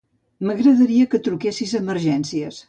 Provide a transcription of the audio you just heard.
M'agradaria que truquessis a Emergències.